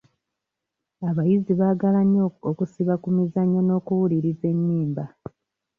Abayizi baagala nnyo okusiba ku mizannyo n'okuwuliriza ennyimba.